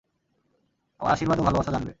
আমার আশীর্বাদ ও ভালবাসা জানবে।